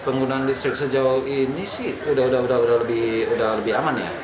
penggunaan listrik sejauh ini sih udah lebih aman ya